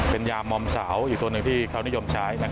เป็นยามอมสาวอยู่ตัวหนึ่งที่เขานิยมใช้